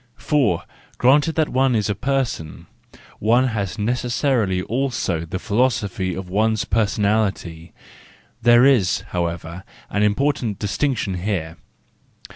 For, granting that one is a person, one has necessarily also the philosophy of ones personality, there is, however, an important distinction here.